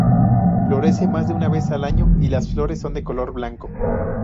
Florece más de una vez al año, y las flores son de color blanco.